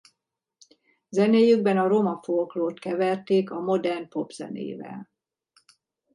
Zenéjükben a roma folklórt keverték a modern popzenével.